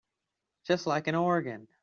Just like an organ.